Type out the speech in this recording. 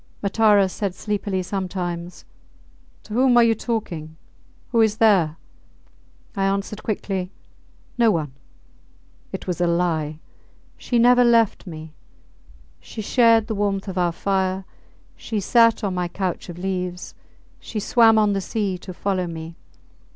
Matara said sleepily sometimes, To whom are you talking? Who is there? I answered quickly, No one ... It was a lie! She never left me. She shared the warmth of our fire, she sat on my couch of leaves, she swam on the sea to follow me.